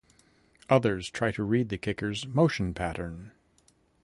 Others try to read the kicker's motion pattern.